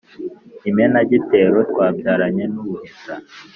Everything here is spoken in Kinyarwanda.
imenagitero twabyaranye n’ubuheta